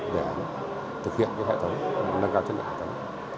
để thực hiện hệ thống nâng cao chất lượng